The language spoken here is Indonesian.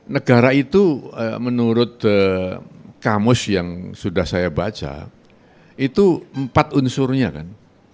negara itu menurut kamus yang sudah saya baca itu empat unsurnya kan